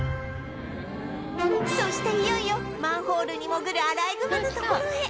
そしていよいよマンホールに潜るアライグマのところへ！